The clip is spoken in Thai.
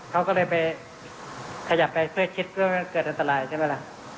เขาก็เลยไปขยับไปเพื่อคิดเพื่อไม่เกิดอันตรายใช่ไหมล่ะ